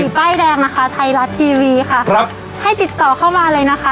ป้ายแดงนะคะไทยรัฐทีวีค่ะครับให้ติดต่อเข้ามาเลยนะคะ